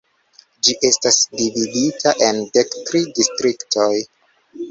Ĝi estas dividita en dek tri distriktoj.